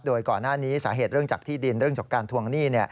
โดยก่อนหน้านี้สาเหตุเรื่องจากที่ดินเรื่องจากการทวงหนี้